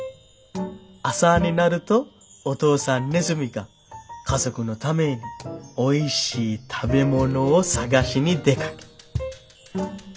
朝になるとお父さんネズミが家族のためにおいしい食べ物を探しに出かけ」。